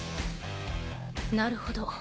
なるほど。